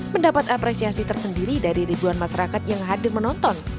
mendapat apresiasi tersendiri dari ribuan masyarakat yang hadir menonton